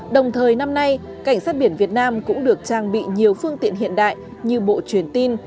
đồng thời năm nay cảnh sát biển việt nam cũng được trang bị nhiều phương tiện hiện đại như bộ truyền tin